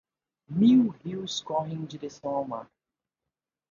Mil rios correm em direção ao mar